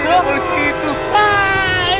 jangan boleh begitu